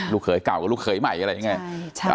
ลูกเขยเก่ากับลูกเขยใหม่อะไรอย่างเงี้ย